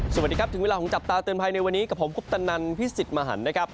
สวัสดีครับถึงเวลาของจับตาเตือนภัยในวันนี้กับผมคุปตนันพี่สิทธิ์มหันนะครับ